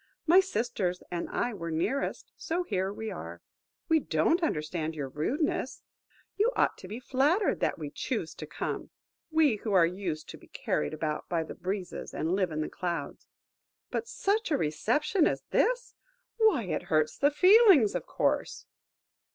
My sisters and I were nearest, so here we are. We don't understand your rudeness. You ought to be flattered that we choose to come,–we, who are used to be carried about by the breezes, and live in the clouds! But such a reception as this, why, it hurts the feelings, of course!"